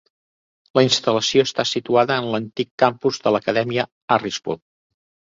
La instal.lació està situada en l'antic campus de l'Acadèmia Harrisburg.